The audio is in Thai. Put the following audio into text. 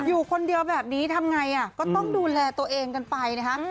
อยู่คนเดียวแบบนี้ทำไงก็ต้องดูแลตัวเองกันไปนะคะ